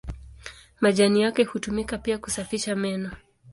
Majani yake hutumika pia kusafisha meno.